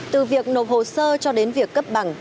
từ việc nộp hồ sơ cho đến việc cấp bằng